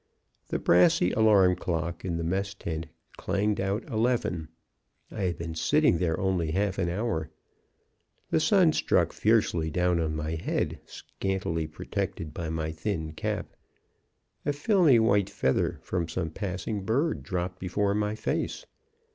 "The brassy alarm clock in the mess tent clanged out eleven. I had been sitting there only half an hour. "The sun struck fiercely down on my head, scantily protected by my thin cap. A filmy white feather from some passing bird dropped before my face.